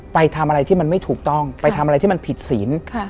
ไปทำอะไรที่มันไม่ถูกต้องไปทำอะไรที่มันผิดศีล